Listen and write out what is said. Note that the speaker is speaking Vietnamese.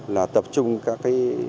là tập trung các cái